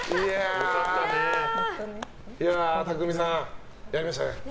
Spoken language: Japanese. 拓海さん、やりましたね。